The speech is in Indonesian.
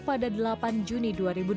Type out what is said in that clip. pada delapan juni dua ribu delapan belas